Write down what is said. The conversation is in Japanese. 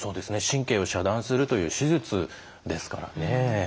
神経を遮断するという手術ですからね。